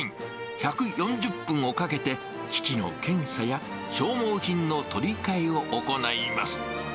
１４０分をかけて、機器の検査や消耗品の取り換えを行います。